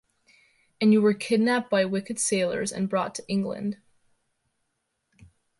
And you were kidnapped by wicked sailors and brought to England.